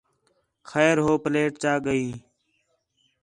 خیر ہو پلیٹ چا ڳئین